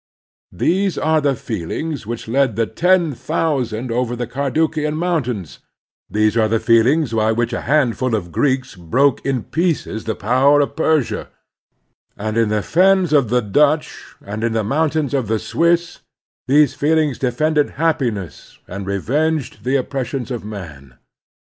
These are the feelings which led the ten thousand over the Carduchian Mountains; these are the feelings by which a handful of Greeks broke in pieces the power of Persia ; and in the fens of the Dutch and in the mountains of the Swiss these The Heroic Virtues 36x feelings defended happiness and revenged the oppressions of man!